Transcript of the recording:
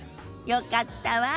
よかったわ。